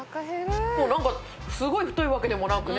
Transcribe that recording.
何かすごい太いわけでもなくね。